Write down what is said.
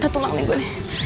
tidak tidak tidak